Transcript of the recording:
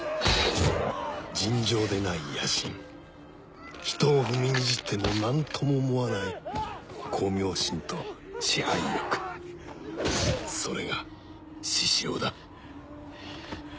尋常でない野心人を踏みにじっても何とも思わない功名心と支配欲それが志々雄だ。